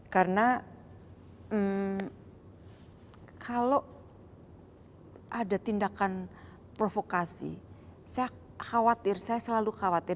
karena kalau ada tindakan provokasi saya khawatir saya selalu khawatir